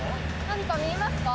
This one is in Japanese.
何か見えますか？